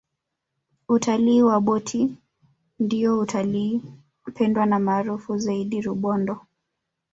utalii wa boti ndiyo utalii pendwa na maarufu zaidi rubondo